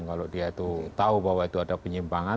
kalau dia itu tahu bahwa itu ada penyimpangan